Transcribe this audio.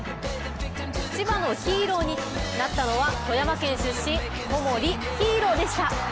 千葉のヒーローになったのは富山県出身、小森飛絢でした。